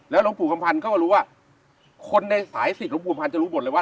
หลวงปู่คำพันธ์เขาก็รู้ว่าคนในสายสิทธิ์หลวงปู่พันธ์จะรู้หมดเลยว่า